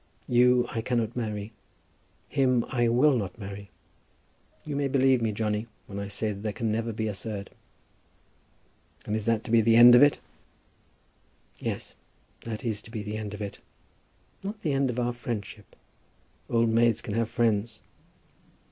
You I cannot marry. Him I will not marry. You may believe me, Johnny, when I say there can never be a third." "And is that to be the end of it?" "Yes; that is to be the end of it. Not the end of our friendship. Old maids have friends."